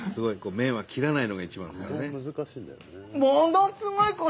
麺は切らないのが一番ですからね。